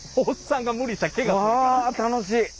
あ楽しい！